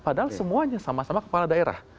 padahal semuanya sama sama kepala daerah